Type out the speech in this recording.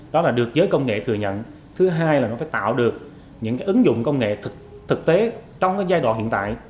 đó là được giới công nghệ thừa nhận thứ hai là nó phải tạo được những ứng dụng công nghệ thực tế trong giai đoạn hiện tại